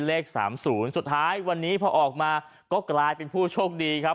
เลข๓๐สุดท้ายวันนี้พอออกมาก็กลายเป็นผู้โชคดีครับ